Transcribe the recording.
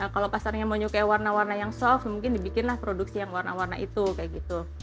kalau pasarnya mau nyukai warna warna yang soft mungkin dibikinlah produksi yang warna warna itu kayak gitu